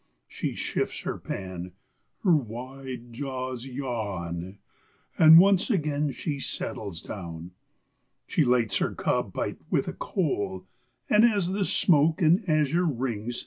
She shifts her pan, her wide jaws yawn, and once again she settles down; She lights her cob pipe with a coal, and as the smoke in azure rings.